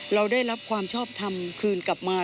เราได้รับความชอบทำคืนกลับมา